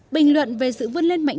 bình luận về sự vươn lên mạng